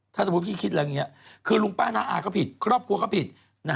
ถ้าสมมุติพี่คิดอะไรอย่างนี้คือลุงป้าน้าอาก็ผิดครอบครัวก็ผิด